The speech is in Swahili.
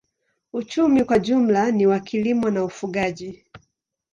Uchumi kwa jumla ni wa kilimo na ufugaji.